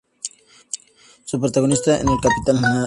Su protagonista, el El Capitán Pantera...